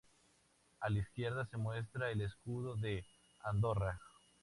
A la izquierda se muestra el escudo de Andorra.